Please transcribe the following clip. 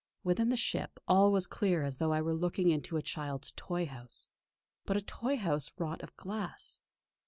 Within the ship, all was clear as though I were looking into a child's toy house; but a toy house wrought of glass.